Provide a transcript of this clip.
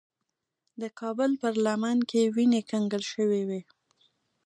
د کابل پر لمن کې وینې کنګل شوې وې.